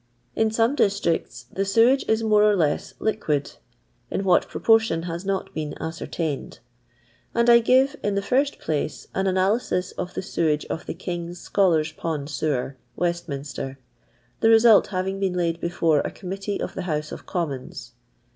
In iomedbtricUthe lewagoit Bore or leetliqaid — in what proportion has not been aieertained — and I giye, in the fint place, an analytis of the sewage of the King's Scholars' Pond Sewer, West minster, the result having been laid before a Com mittee of the House of Commons.